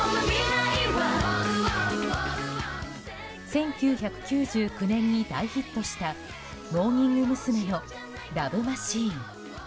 １９９９年に大ヒットしたモーニング娘。の「ＬＯＶＥマシーン」。